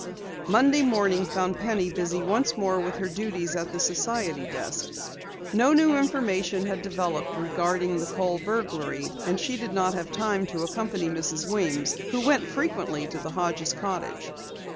Monday morning found Penny busy once more with her duties at the society desk. No new information had developed regarding the Kohl burglary, and she did not have time to accompany Mrs. Weems who went frequently to the Hodges' cottage.